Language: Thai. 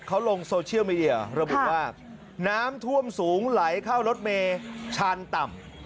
เขาลงโซเชียลมีเดียระบุว่าน้ำท่วมสูงไหลเข้ารถเมชานต่ำ